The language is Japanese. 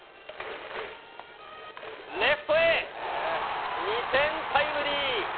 レフトへ、２点タイムリー。